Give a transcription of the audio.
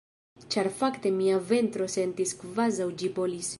Ĉar fakte mia ventro sentis kvazaŭ ĝi bolis.